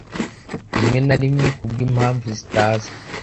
Rimwe na rimwekubwimpamvu zitazwi